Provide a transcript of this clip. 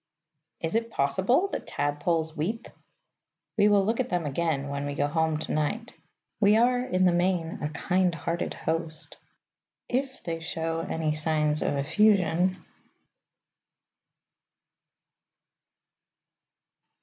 Is it possible that tadpoles weep? We will look at them again when we go home to night. We are, in the main, a kind hearted host. If they show any signs of effusion....